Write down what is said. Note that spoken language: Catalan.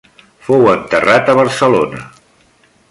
Fou enterrat a Barcelona.